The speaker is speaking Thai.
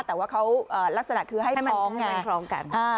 แต่ว่าเขาลักษณะคือให้คล้องกัน